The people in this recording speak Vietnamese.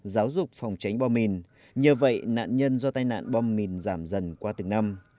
giáo dục phòng tránh bom mìn nhờ vậy nạn nhân do tai nạn bom mìn giảm dần qua từng năm